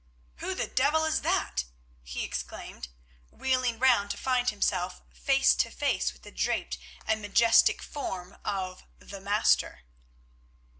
"Who the devil is that?" he exclaimed, wheeling round to find himself face to face with the draped and majestic form of the Master.